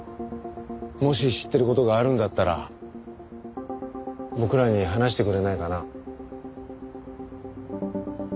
もし知ってる事があるんだったら僕らに話してくれないかな？